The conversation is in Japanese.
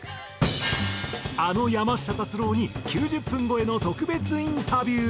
あの山下達郎に９０分超えの特別インタビュー。